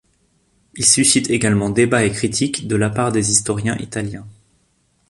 Il suscite également débats et critiques de la part des historiens italiens.